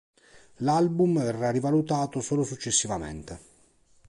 L'album verrà rivalutato solo successivamente.